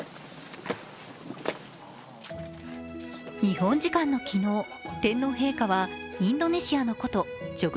日本時間の昨日、天皇陛下はインドネシアの古都ジョグ